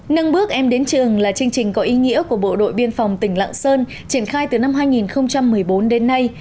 nâng bước em đến trường là chương trình có ý nghĩa của bộ đội biên phòng tỉnh lạng sơn triển khai từ năm hai nghìn một mươi bốn đến nay